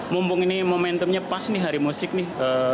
mumpung ini momentumnya pas nih hari musik nih